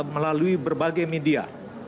melalui berbagai media